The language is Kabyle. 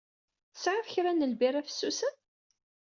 Tesɛiḍ kra n lbira fessusen?